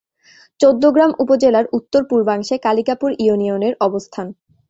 চৌদ্দগ্রাম উপজেলার উত্তর-পূর্বাংশে কালিকাপুর ইউনিয়নের অবস্থান।